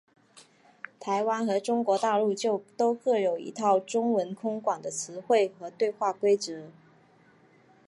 台湾和中国大陆就都各有一套中文空管的词汇和对话规则。